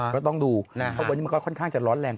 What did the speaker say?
ก็ต้องดูเพราะวันนี้มันก็ค่อนข้างจะร้อนแรง